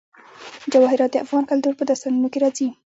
جواهرات د افغان کلتور په داستانونو کې راځي.